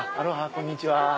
こんにちは。